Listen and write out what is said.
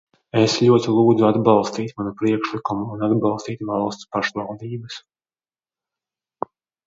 Es ļoti lūdzu atbalstīt manu priekšlikumu un atbalstīt valsts pašvaldības.